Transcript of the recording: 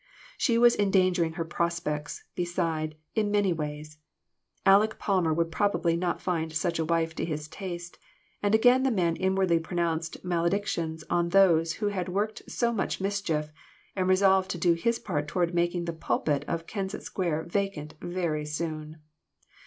She was endangering her prospects, beside, in many ways. Aleck Palmer would probably not find such a wife to his taste ; and again the man inwardly pronounced maledictions on those who had worked so much mischief, and resolved to do his part toward making the pulpit of Kensett Square vacant very soon.